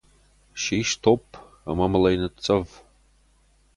Сис топп ӕмӕ мыл ӕй ныццӕв!